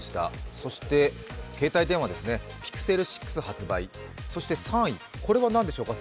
そして携帯電話ですね、Ｐｉｘｅｌ６発売そして３位、これは何でしょうか？